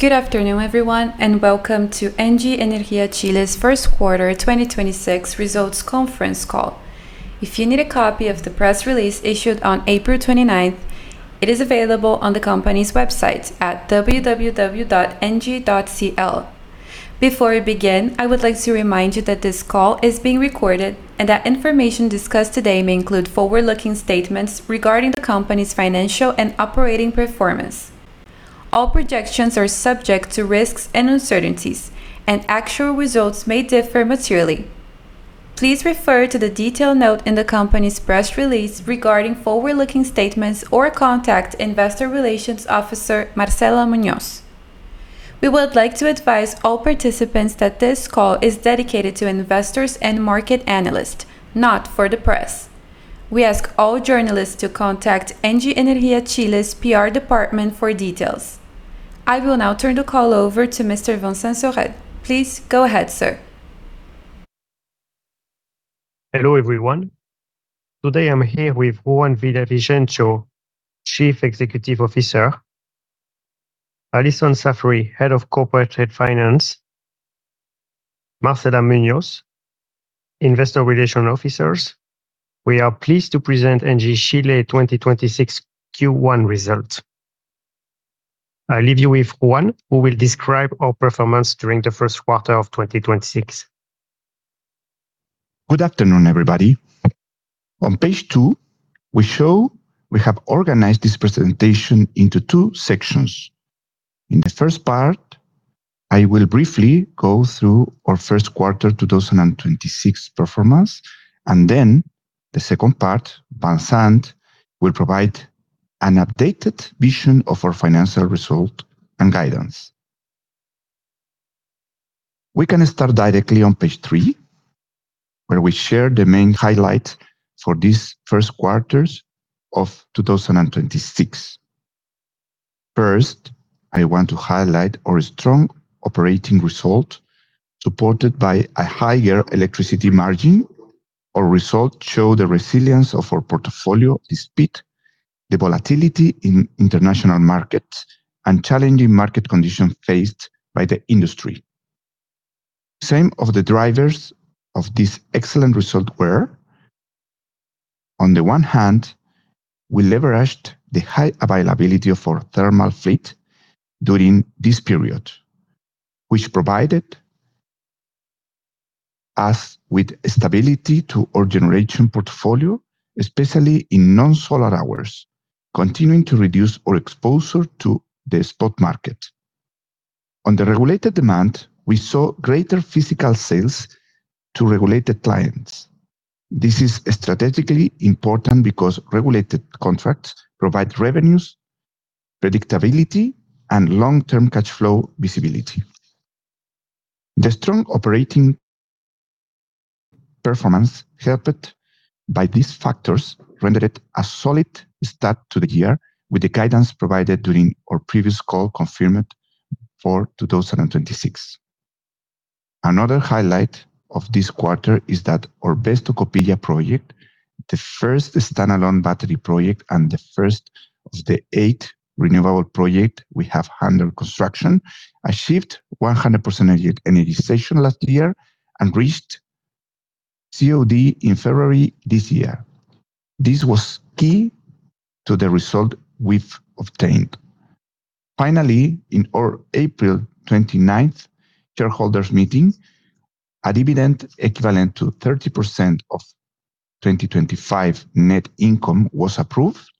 Good afternoon, everyone, and welcome to Engie Energía Chile's first quarter 2026 results conference call. If you need a copy of the press release issued on April 29, it is available on the company's website at www.engie.cl. Before we begin, I would like to remind you that this call is being recorded and that information discussed today may include forward-looking statements regarding the company's financial and operating performance. All projections are subject to risks and uncertainties, and actual results may differ materially. Please refer to the detailed note in the company's press release regarding forward-looking statements or contact Investor Relations Officer Marcela Muñoz. We would like to advise all participants that this call is dedicated to investors and market analysts, not for the press. We ask all journalists to contact Engie Energía Chile's PR department for details. I will now turn the call over to Mr. Vincent Sorel. Please go ahead, sir. Hello, everyone. Today I'm here with Juan Villavicencio, Chief Executive Officer, Alison Saffery, Head of Corporate Finance, Marcela Muñoz, Investor Relations Officers. We are pleased to present Engie Chile 2026 Q1 results. I leave you with Juan, who will describe our performance during the first quarter of 2026. Good afternoon, everybody. On page two, we show we have organized this presentation into two sections. In the first part, I will briefly go through our first quarter 2026 performance, and then the second part, Vincent, will provide an updated vision of our financial result and guidance. We can start directly on page three, where we share the main highlights for this first quarters of 2026. First, I want to highlight our strong operating result, supported by a higher electricity margin. Our results show the resilience of our portfolio despite the volatility in international markets and challenging market conditions faced by the industry. Some of the drivers of this excellent result were, on the one hand, we leveraged the high availability of our thermal fleet during this period, which provided us with stability to our generation portfolio, especially in non-solar hours, continuing to reduce our exposure to the spot market. On the regulated demand, we saw greater physical sales to regulated clients. This is strategically important because regulated contracts provide revenues, predictability, and long-term cash flow visibility. The strong operating performance helped by these factors rendered a solid start to the year with the guidance provided during our previous call confirmed for 2026. Another highlight of this quarter is that our BESS Tocopilla project, the first standalone battery project and the first of the eight renewable project we have under construction, achieved 100% energization last year and reached COD in February this year. This was key to the result we've obtained. Finally, in our April 29th shareholders meeting, a dividend equivalent to 30% of 2025 net income was approved,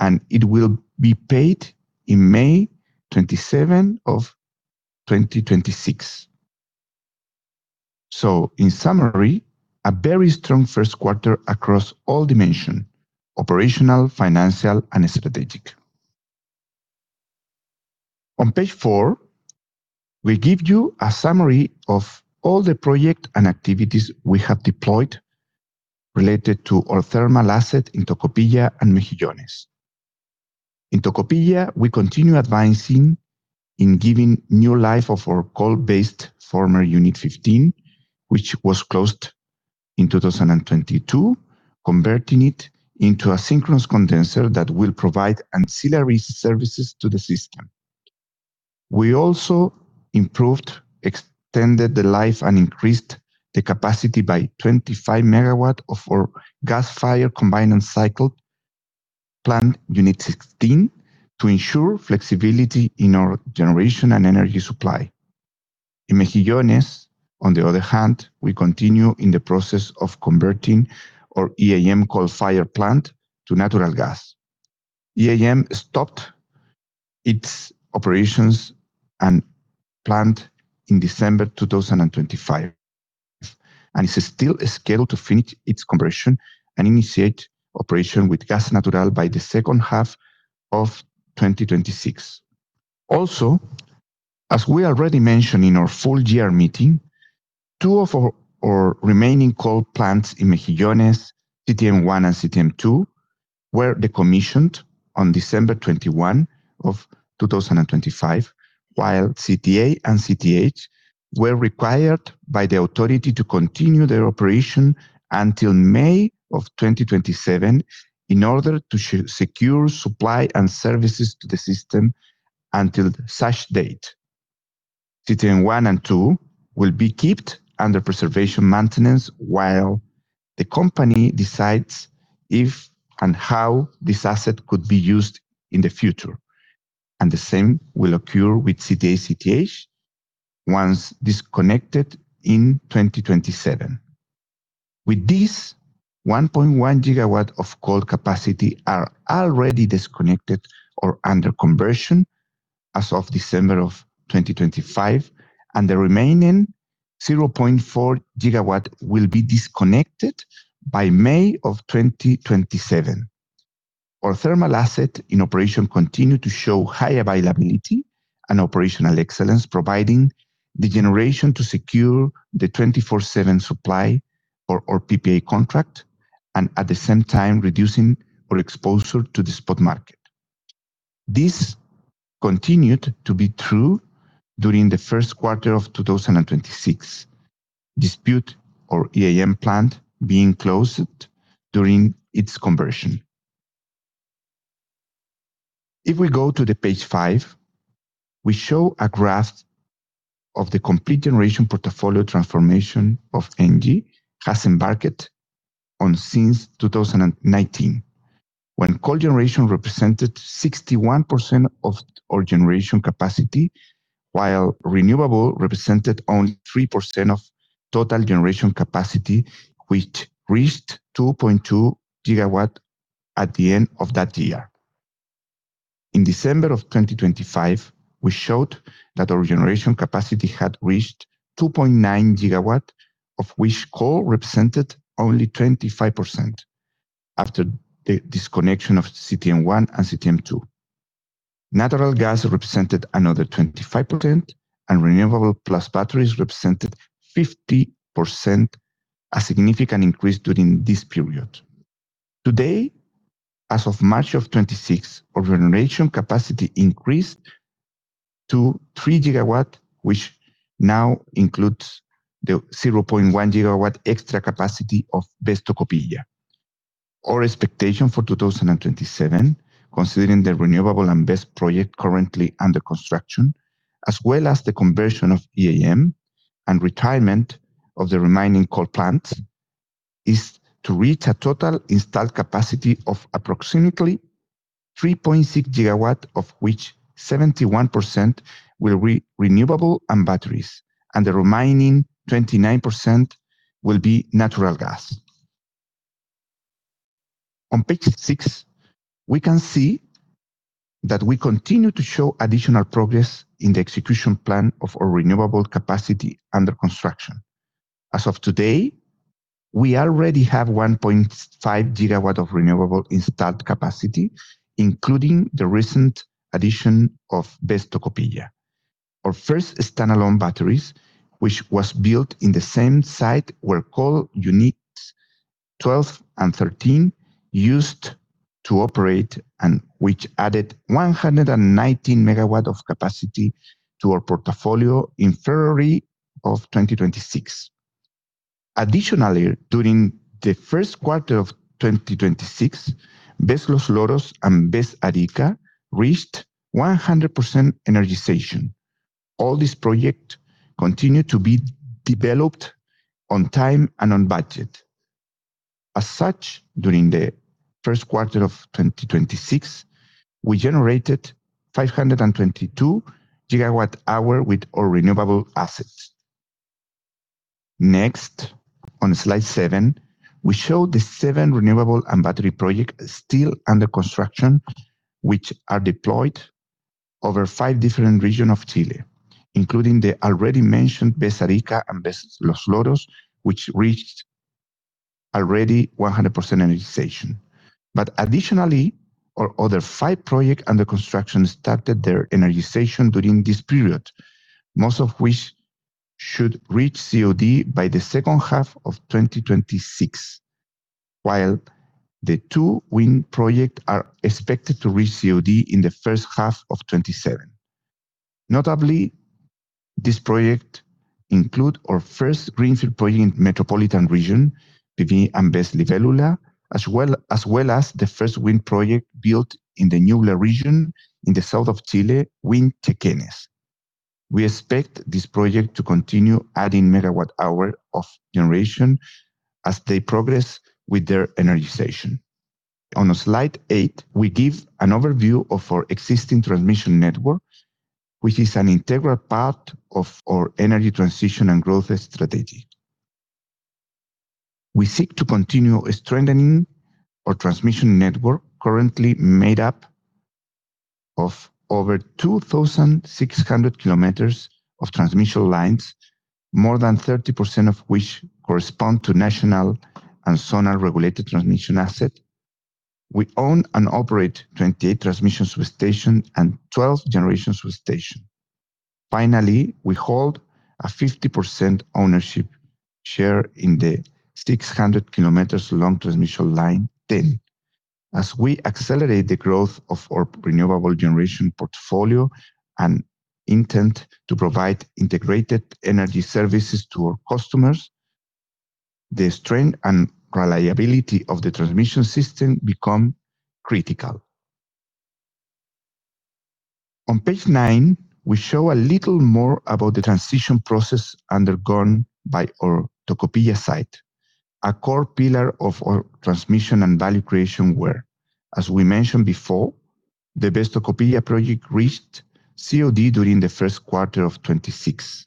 and it will be paid in May 27 of 2026. In summary, a very strong first quarter across all dimension: operational, financial, and strategic. On page four, we give you a summary of all the project and activities we have deployed related to our thermal asset in Tocopilla and Mejillones. In Tocopilla, we continue advancing in giving new life of our coal-based former Unit 15, which was closed in 2022, converting it into a synchronous condenser that will provide ancillary services to the system. We also improved, extended the life, and increased the capacity by 25 MW of our gas fire combined cycle plant, Unit 16, to ensure flexibility in our generation and energy supply. In Mejillones, on the other hand, we continue in the process of converting our IEM coal-fired plant to natural gas. IEM stopped its operations and plant in December 2025, it is still scheduled to finish its conversion and initiate operation with gas natural by the second half of 2026. As we already mentioned in our full year meeting, two of our remaining coal plants in Mejillones, CTM 1 and CTM 2, were decommissioned on December 21, 2025, while CTA and CTH were required by the authority to continue their operation until May 2027 in order to secure supply and services to the system until such date. CTM 1 and CTM 2 will be kept under preservation maintenance while the company decides if and how this asset could be used in the future. The same will occur with CTA, CTH once disconnected in 2027. With this, 1.1 GW of coal capacity are already disconnected or under conversion as of December of 2025, and the remaining 0.4 GW will be disconnected by May of 2027. Our thermal asset in operation continue to show high availability and operational excellence, providing the generation to secure the 24/7 supply or PPA contract, and at the same time reducing our exposure to the spot market. This continued to be true during the first quarter of 2026, despite our IEM plant being closed during its conversion. If we go to the page five, we show a graph of the complete generation portfolio transformation Engie has embarked on since 2019, when coal generation represented 61% of our generation capacity, while renewable represented only 3% of total generation capacity, which reached 2.2 GW at the end of that year. In December of 2025, we showed that our generation capacity had reached 2.9 GW, of which coal represented only 25% after the disconnection of CTM 1 and CTM 2. Natural gas represented another 25%, and renewable plus batteries represented 50%, a significant increase during this period. Today, as of March of 2026, our generation capacity increased to 3 GW, which now includes the 0.1 GW extra capacity of BESS Tocopilla. Our expectation for 2027, considering the renewable and BES project currently under construction, as well as the conversion of IEM and retirement of the remaining coal plants, is to reach a total installed capacity of approximately 3.6 GW, of which 71% will be renewable and batteries, and the remaining 29% will be natural gas. On page six, we can see that we continue to show additional progress in the execution plan of our renewable capacity under construction. As of today, we already have 1.5 GW of renewable installed capacity, including the recent addition of BESS Tocopilla. Our first standalone batteries, which was built in the same site where coal units 12 and 13 used to operate, and which added 119 MW of capacity to our portfolio in February of 2026. Additionally, during the first quarter of 2026, BESS Los Loros and BESS Arica reached 100% energization. All this project continued to be developed on time and on budget. As such, during the first quarter of 2026, we generated 522 GW hour with our renewable assets. Next, on slide seven, we show the seven renewable and battery project still under construction, which are deployed over five different region of Chile, including the already mentioned BESS Arica and BESS Los Loros, which reached already 100% energization. Additionally, our other five project under construction started their energization during this period, most of which should reach COD by the second half of 2026, while the two wind project are expected to reach COD in the first half of 2027. Notably, this project include our first greenfield project in Metropolitan region, PV and BESS Libélula, as well as the first wind project built in the Ñuble region in the south of Chile, Wind Chequenes. We expect this project to continue adding megawatt hour of generation as they progress with their energization. On slide eight, we give an overview of our existing transmission network, which is an integral part of our energy transition and growth strategy. We seek to continue strengthening our transmission network, currently made up of over 2,600 km of transmission lines, more than 30% of which correspond to national and zonal regulated transmission asset. We own and operate 28 transmission switch station and 12 generation switch station. Finally, we hold a 50% ownership share in the 600 km long transmission line TEN. As we accelerate the growth of our renewable generation portfolio and intent to provide integrated energy services to our customers. The strength and reliability of the transmission system become critical. On page nine, we show a little more about the transition process undergone by our Tocopilla site, a core pillar of our transmission and value creation where, as we mentioned before, the Tocopilla project reached COD during the first quarter of 2026.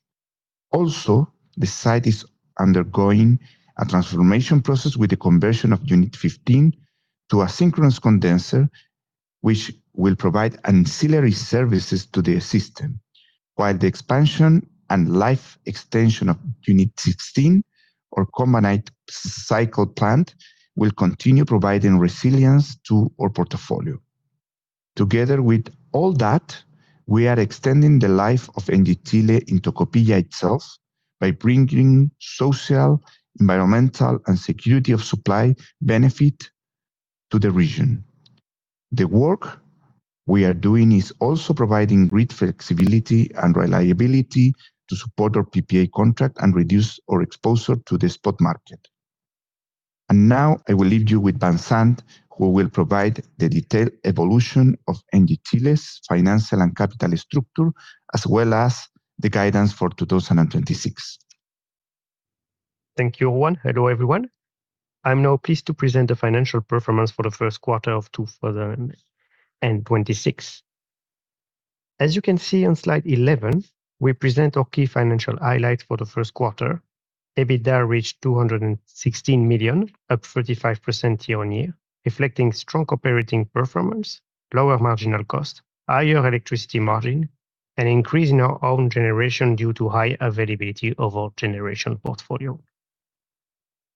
Also, the site is undergoing a transformation process with the conversion of Unit 15 to a synchronous condenser, which will provide ancillary services to the system. While the expansion and life extension of Unit 16 or combined cycle plant will continue providing resilience to our portfolio. Together with all that, we are extending the life of Engie Chile in Tocopilla itself by bringing social, environmental, and security of supply benefit to the region. The work we are doing is also providing grid flexibility and reliability to support our PPA contract and reduce our exposure to the spot market. Now I will leave you with Vincent, who will provide the detailed evolution of Engie Chile's financial and capital structure, as well as the guidance for 2026. Thank you, Juan. Hello, everyone. I am now pleased to present the financial performance for the first quarter of 2026. As you can see on slide 11, we present our key financial highlights for the first quarter. EBITDA reached 216 million, up 35% year-on-year, reflecting strong operating performance, lower marginal cost, higher electricity margin, and increase in our own generation due to high availability of our generation portfolio.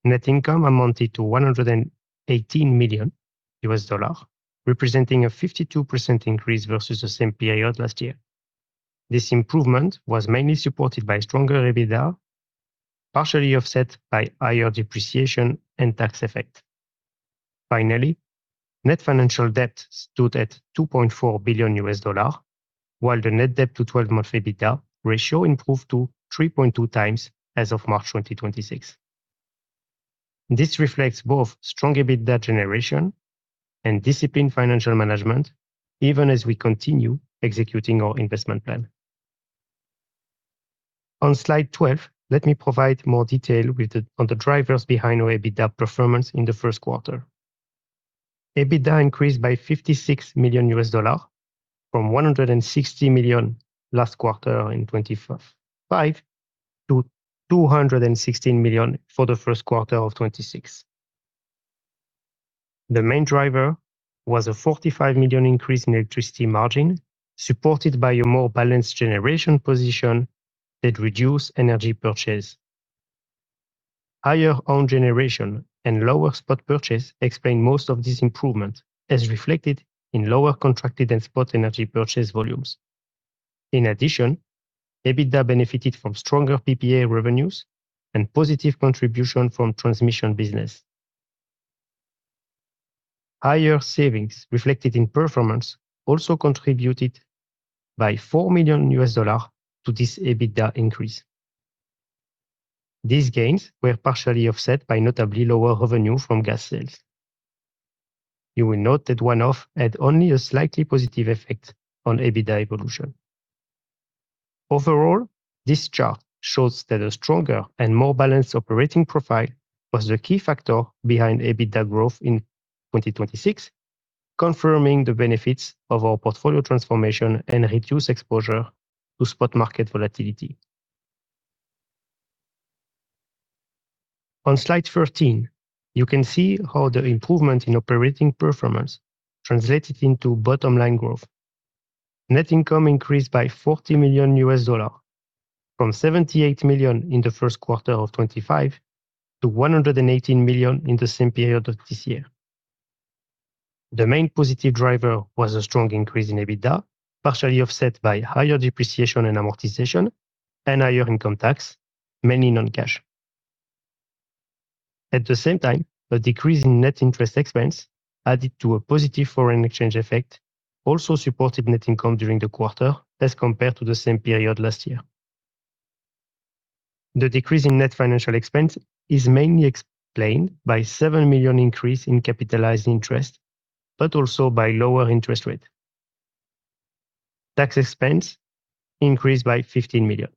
Net income amounted to $118 million, representing a 52% increase versus the same period last year. This improvement was mainly supported by stronger EBITDA, partially offset by higher depreciation and tax effect. Finally, net financial debt stood at $2.4 billion, while the net debt-to-12-month EBITDA ratio improved to 3.2x as of March 2026. This reflects both strong EBITDA generation and disciplined financial management, even as we continue executing our investment plan. On slide 12, let me provide more detail on the drivers behind our EBITDA performance in the first quarter. EBITDA increased by $56 million from $160 million last quarter in 2025 to $216 million for the first quarter of 2026. The main driver was a $45 million increase in electricity margin, supported by a more balanced generation position that reduced energy purchase. Higher own generation and lower spot purchase explain most of this improvement, as reflected in lower contracted and spot energy purchase volumes. In addition, EBITDA benefited from stronger PPA revenues and positive contribution from transmission business. Higher savings reflected in performance also contributed by $4 million to this EBITDA increase. These gains were partially offset by notably lower revenue from gas sales. You will note that one-off had only a slightly positive effect on EBITDA evolution. Overall, this chart shows that a stronger and more balanced operating profile was the key factor behind EBITDA growth in 2026, confirming the benefits of our portfolio transformation and reduced exposure to spot market volatility. On slide 13, you can see how the improvement in operating performance translated into bottom line growth. Net income increased by $40 million from $78 million in the first quarter of 2025 to $118 million in the same period of this year. The main positive driver was a strong increase in EBITDA, partially offset by higher depreciation and amortization and higher income tax, mainly non-cash. At the same time, a decrease in net interest expense added to a positive foreign exchange effect also supported net income during the quarter as compared to the same period last year. The decrease in net financial expense is mainly explained by 7 million increase in capitalized interest, but also by lower interest rate. Tax expense increased by 15 million.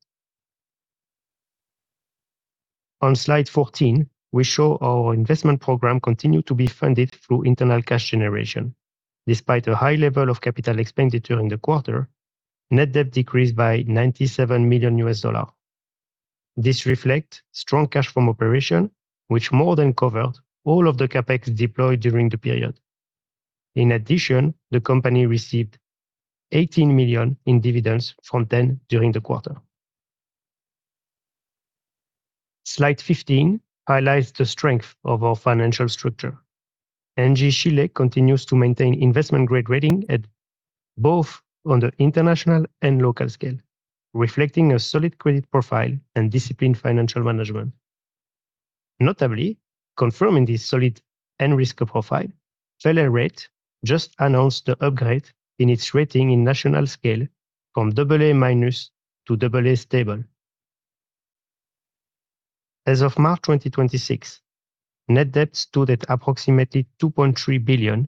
On slide 14, we show our investment program continued to be funded through internal cash generation. Despite a high level of capital expenditure in the quarter, net debt decreased by $97 million. This reflect strong cash from operation, which more than covered all of the CapEx deployed during the period. In addition, the company received 18 million in dividends from TEN during the quarter. Slide 15 highlights the strength of our financial structure. Engie Chile continues to maintain investment-grade rating at both on the international and local scale, reflecting a solid credit profile and disciplined financial management. Notably, confirming this solid end-risk profile, [Fitch ratings] just announced the upgrade in its rating in national scale from AA- to AA Stable. As of March 2026, net debt stood at approximately 2.3 billion,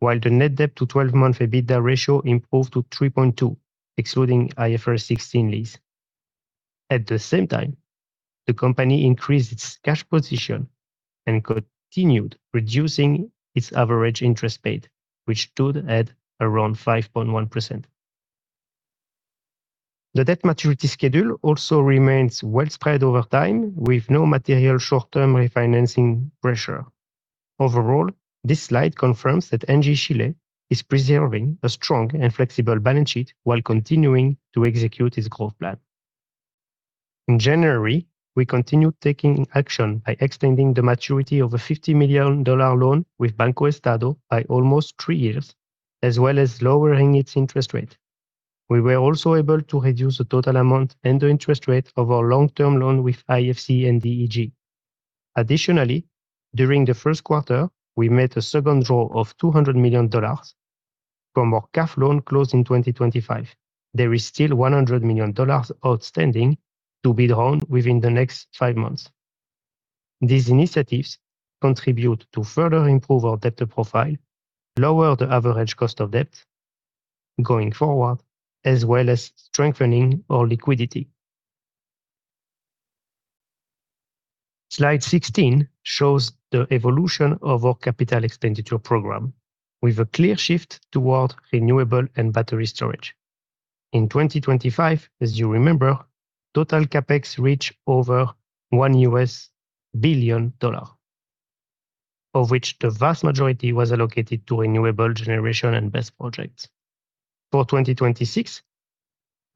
while the net debt to 12-month EBITDA ratio improved to 3.2, excluding IFRS 16 lease. At the same time, the company increased its cash position and continued reducing its average interest paid, which stood at around 5.1%. The debt maturity schedule also remains well spread over time, with no material short-term refinancing pressure. Overall, this slide confirms that Engie Chile is preserving a strong and flexible balance sheet while continuing to execute its growth plan. In January, we continued taking action by extending the maturity of a $50 million loan with BancoEstado by almost three years, as well as lowering its interest rate. We were also able to reduce the total amount and the interest rate of our long-term loan with IFC and DEG. Additionally, during the first quarter, we made a second draw of $200 million from our CAF loan closed in 2025. There is still $100 million outstanding to be drawn within the next five months. These initiatives contribute to further improve our debtor profile, lower the average cost of debt going forward, as well as strengthening our liquidity. Slide 16 shows the evolution of our capital expenditure program, with a clear shift toward renewable and battery storage. In 2025, as you remember, total CapEx reached over $1 billion, of which the vast majority was allocated to renewable generation and BESS projects. For 2026,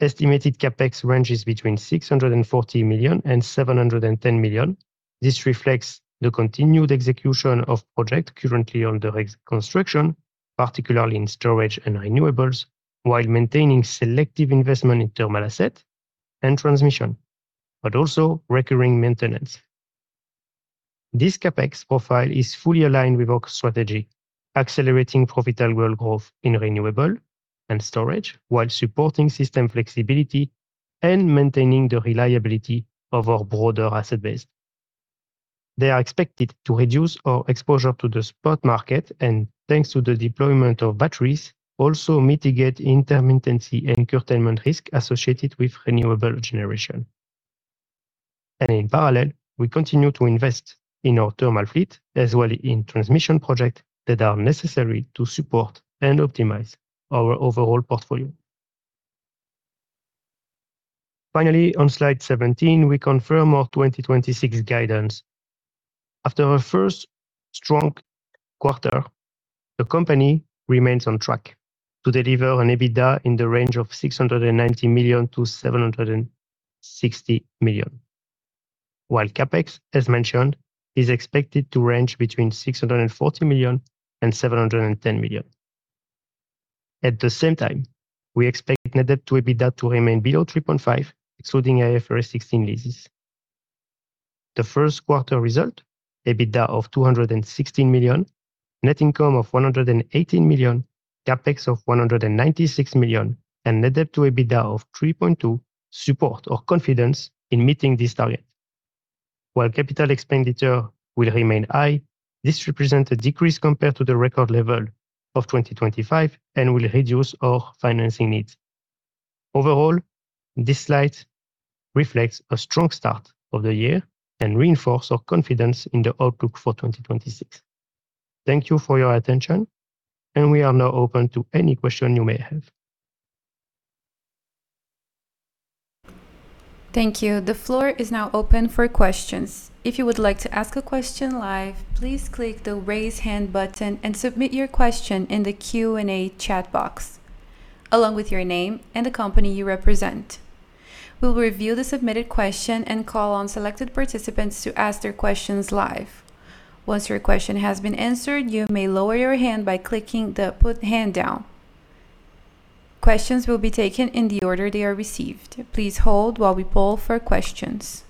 estimated CapEx ranges between $640 million and $710 million. This reflects the continued execution of project currently under construction, particularly in storage and renewables, while maintaining selective investment in thermal asset and transmission, but also recurring maintenance. This CapEx profile is fully aligned with our strategy, accelerating profitable growth in renewable and storage while supporting system flexibility and maintaining the reliability of our broader asset base. They are expected to reduce our exposure to the spot market and, thanks to the deployment of batteries, also mitigate intermittency and curtailment risk associated with renewable generation. In parallel, we continue to invest in our thermal fleet as well in transmission projects that are necessary to support and optimize our overall portfolio. Finally, on slide 17, we confirm our 2026 guidance. After our first strong quarter, the company remains on track to deliver an EBITDA in the range of 690 million-760 million. While CapEx, as mentioned, is expected to range between 640 million and 710 million. At the same time, we expect net debt to EBITDA to remain below 3.5, excluding IFRS 16 leases. The first quarter result, EBITDA of 216 million, net income of 118 million, CapEx of 196 million, and net debt to EBITDA of 3.2 support our confidence in meeting this target. While capital expenditure will remain high, this represents a decrease compared to the record level of 2025 and will reduce our financing needs. Overall, this slide reflects a strong start of the year and reinforce our confidence in the outlook for 2026. Thank you for your attention, and we are now open to any question you may have. Thank you. The floor is now open for questions. If you would like to ask a question live, please click the Raise Hand button and submit your question in the Q&A chat box, along with your name and the company you represent. We will review the submitted question and call on selected participants to ask their questions live. Once your question has been answered, you may lower your hand by clicking the Put Hand Down. Questions will be taken in the order they are received. Please hold while we poll for questions.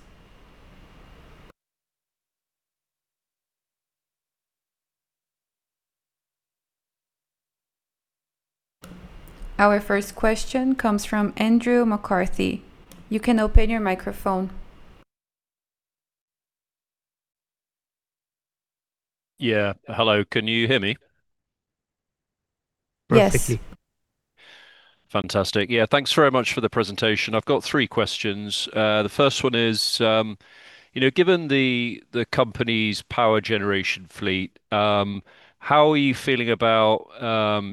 Our first question comes from Andrew McCarthy. You can open your microphone. Yeah. Hello. Can you hear me? Yes. Perfectly. Fantastic. Yeah. Thanks very much for the presentation. I've got three questions. The first one is, you know, given the company's power generation fleet, how are you feeling about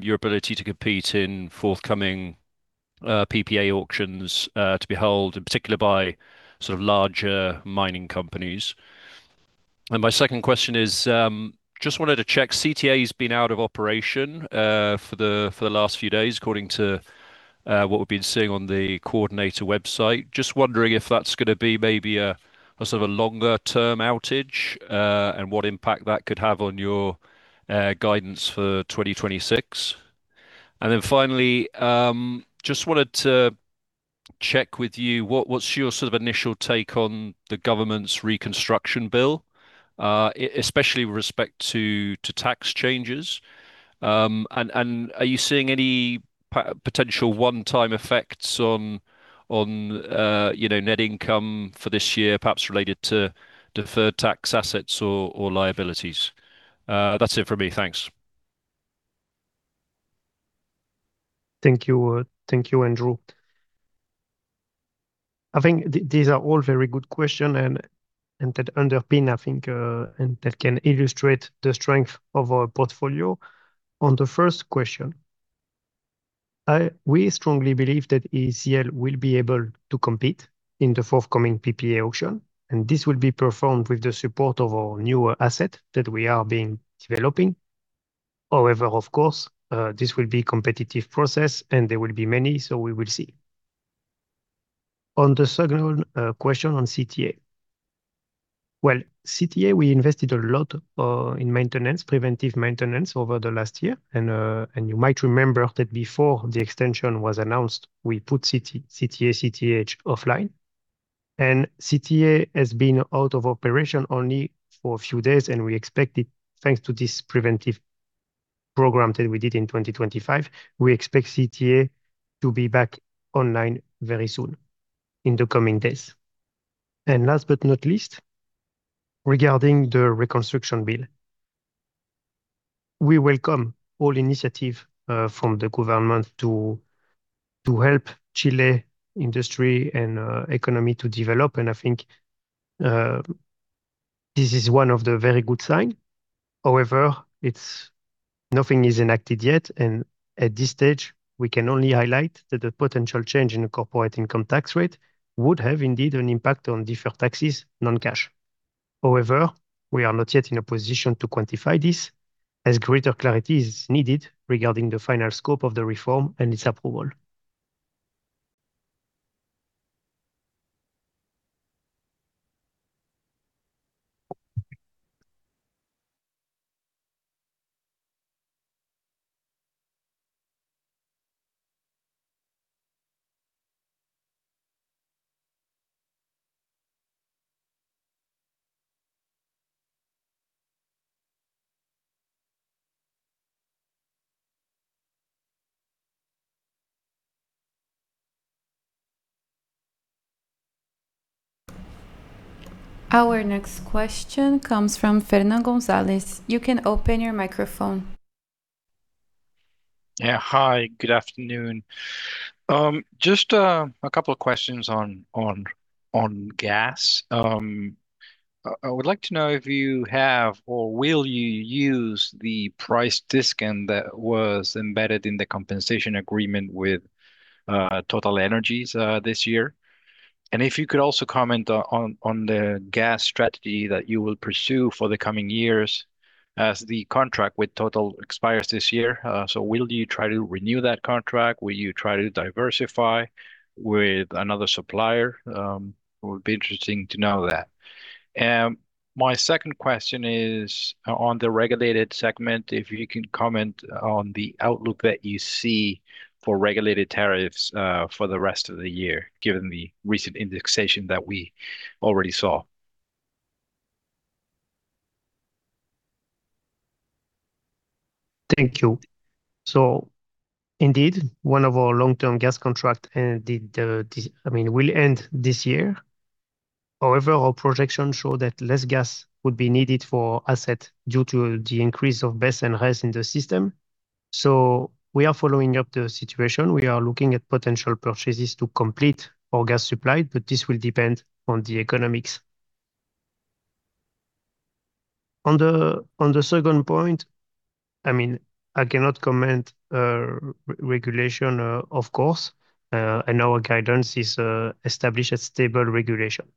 your ability to compete in forthcoming PPA auctions, to be held, in particular by sort of larger mining companies? My second question is, just wanted to check, CTA has been out of operation for the last few days, according to what we've been seeing on the Coordinator website. Just wondering if that's gonna be maybe a sort of a longer term outage, and what impact that could have on your guidance for 2026. Finally, just wanted to check with you what's your sort of initial take on the government's Reconstruction Bill, especially with respect to tax changes? Are you seeing any potential one-time effects on, you know, net income for this year, perhaps related to deferred tax assets or liabilities? That's it from me. Thanks. Thank you. Thank you, Andrew. I think these are all very good question and that underpin, I think, and that can illustrate the strength of our portfolio. On the first question, we strongly believe that ECL will be able to compete in the forthcoming PPA auction, and this will be performed with the support of our newer asset that we are being developing. However, of course, this will be competitive process, and there will be many, so we will see. On the second question on CTA. Well, CTA, we invested a lot in maintenance, preventive maintenance over the last year and you might remember that before the extension was announced, we put CTA, CTH offline. CTA has been out of operation only for a few days, and we expect it. Thanks to this preventive program that we did in 2025, we expect CTA to be back online very soon, in the coming days. Last but not least, regarding the Reconstruction Bill. We welcome all initiative from the government to help Chile industry and economy to develop, and I think this is one of the very good sign. However, nothing is enacted yet and at this stage, we can only highlight that the potential change in the corporate income tax rate would have indeed an impact on deferred taxes non-cash. We are not yet in a position to quantify this, as greater clarity is needed regarding the final scope of the reform and its approval. Our next question comes from Fernando Gonzalez. You can open your microphone. Yeah. Hi, good afternoon. Just a couple of questions on gas. I would like to know if you have or will you use the price discount that was embedded in the compensation agreement with TotalEnergies this year? If you could also comment on the gas strategy that you will pursue for the coming years as the contract with Total expires this year. Will you try to renew that contract? Will you try to diversify with another supplier? It would be interesting to know that. My second question is on the regulated segment, if you can comment on the outlook that you see for regulated tariffs for the rest of the year, given the recent indexation that we already saw. Thank you. Indeed, one of our long-term gas contract ended, I mean, will end this year. However, our projections show that less gas would be needed for asset due to the increase of BESS and hydros in the system. We are following up the situation. We are looking at potential purchases to complete our gas supply, but this will depend on the economics. On the second point, I mean, I cannot comment regulation, of course, our guidance is establish a stable regulation.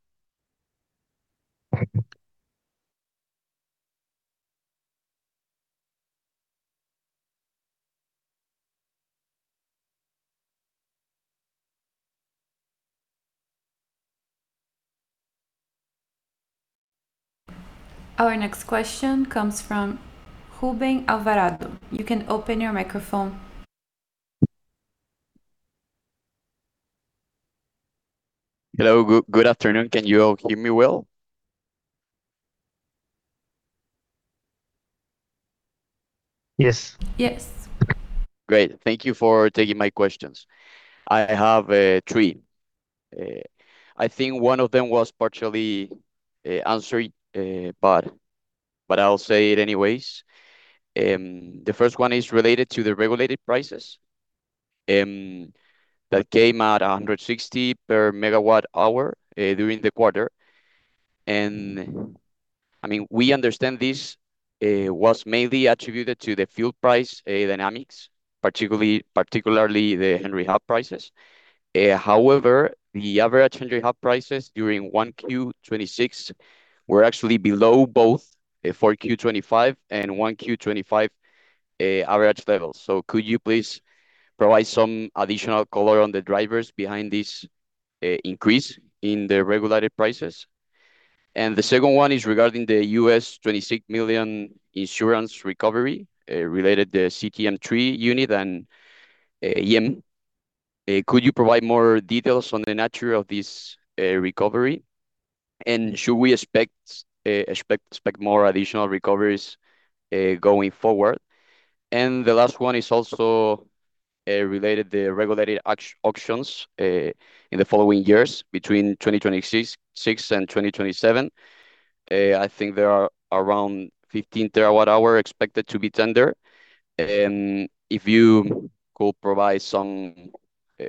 Our next question comes from Ruben Alvarado. You can open your microphone. Hello. Good afternoon. Can you all hear me well? Yes. Yes. Great. Thank you for taking my questions. I have three. I think one of them was partially answered, but I'll say it anyways. The first one is related to the regulated prices that came at 160 per megawatt hour during the quarter. I mean, we understand this was mainly attributed to the fuel price dynamics, particularly the Henry Hub prices. However, the average Henry Hub prices during 1Q 2026 were actually below both 4Q 2025 and 1Q 2025 average levels. Could you please provide some additional color on the drivers behind this increase in the regulated prices? The second one is regarding the $26 million insurance recovery related to CTM3 unit. Could you provide more details on the nature of this recovery? Should we expect more additional recoveries going forward? The last one is also related the regulated auctions in the following years between 2026 and 2027. I think there are around 15 TW hour expected to be tender. If you could provide some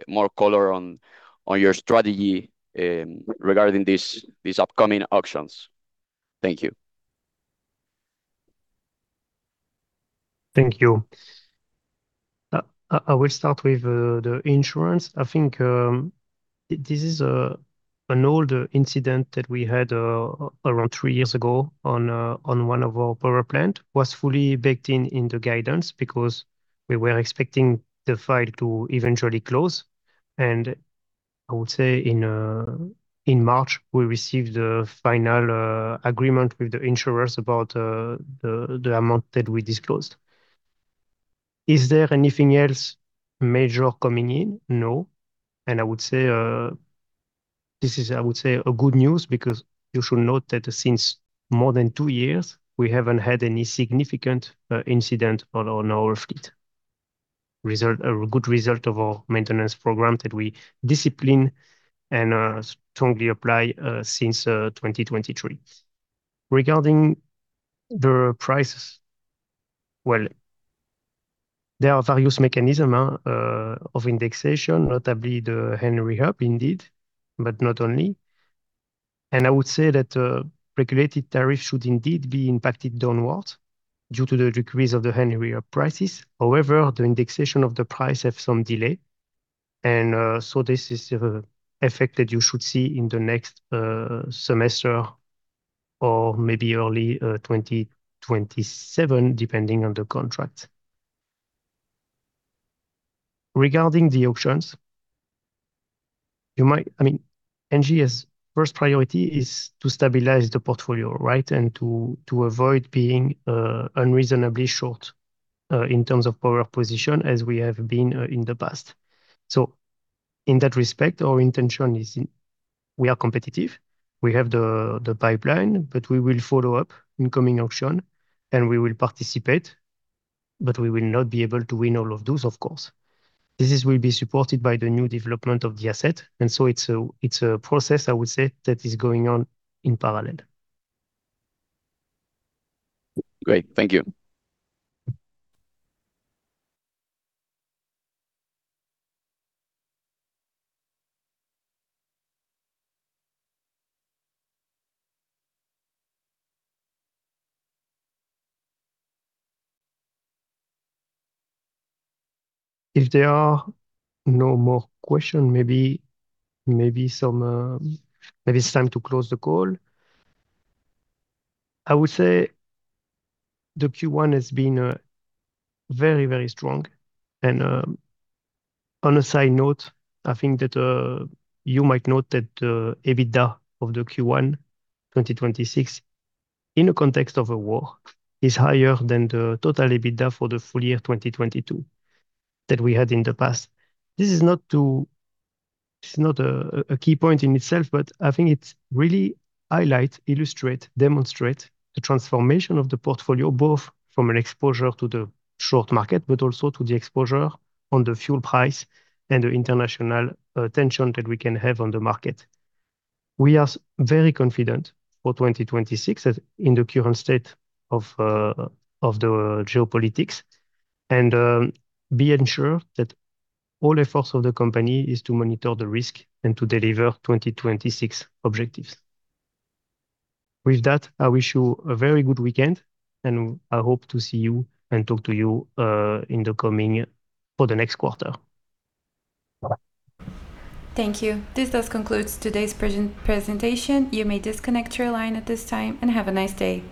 more color on your strategy regarding these upcoming auctions. Thank you. Thank you. I will start with the insurance. I think this is an older incident that we had around three years ago on one of our power plant. It was fully baked in the guidance because we were expecting the file to eventually close. I would say in March, we received the final agreement with the insurers about the amount that we disclosed. Is there anything else major coming in? No. I would say, this is good news because you should note that since more than two years we haven't had any significant incident on our fleet. This is a good result of our maintenance program that we discipline and strongly apply since 2023. Regarding the prices, well, there are various mechanism of indexation, notably the Henry Hub, indeed, but not only. I would say that regulated tariff should indeed be impacted downwards due to the decrease of the Henry Hub prices. The indexation of the price have some delay and so this is effect that you should see in the next semester or maybe early 2027, depending on the contract. Regarding the auctions, I mean, Engie's first priority is to stabilize the portfolio, right? To avoid being unreasonably short in terms of power position as we have been in the past. In that respect, our intention is we are competitive. We have the pipeline, but we will follow up incoming auction and we will participate, but we will not be able to win all of those, of course. This is will be supported by the new development of the asset. It's a process I would say that is going on in parallel. Great. Thank you. If there are no more question, maybe some, maybe it's time to close the call. I would say the Q1 has been very strong. On a side note, I think that you might note that EBITDA of the Q1 2026, in the context of a war, is higher than the total EBITDA for the full year 2022 that we had in the past. This is not a key point in itself, but I think it really highlight, illustrate, demonstrate the transformation of the portfolio, both from an exposure to the spot market, but also to the exposure on the fuel price and the international tension that we can have on the market. We are very confident for 2026 as in the current state of geopolitics, and be ensured that all efforts of the company is to monitor the risk and to deliver 2026 objectives. With that, I wish you a very good weekend, and I hope to see you and talk to you for the next quarter. Bye-bye. Thank you. This does conclude today's presentation. You may disconnect your line at this time and have a nice day.